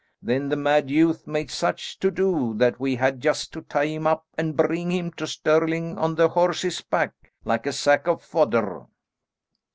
Then the mad youth made such to do that we had just to tie him up and bring him to Stirling on the horse's back like a sack of fodder."